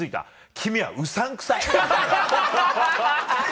君はうさんくさい。